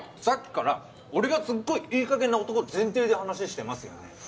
さっきから俺がすっごいいい加減な男前提で話してますよね